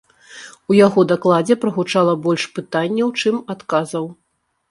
У яго дакладзе прагучала больш пытанняў, чым адказаў.